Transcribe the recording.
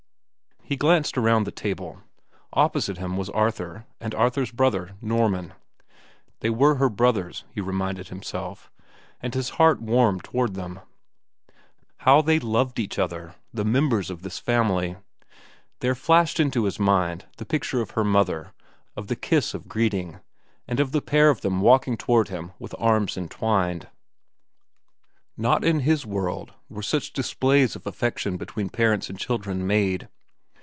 He glanced around the table. Opposite him was Arthur, and Arthur's brother, Norman. They were her brothers, he reminded himself, and his heart warmed toward them. How they loved each other, the members of this family! There flashed into his mind the picture of her mother, of the kiss of greeting, and of the pair of them walking toward him with arms entwined. Not in his world were such displays of affection between parents and children made.